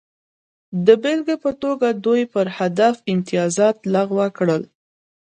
د بېلګې په توګه دوی پر هدف امتیازات لغوه کړل